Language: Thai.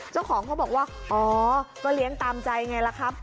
เจ้าของเขาบอกว่าอ๋อก็เลี้ยงตามใจไงล่ะครับ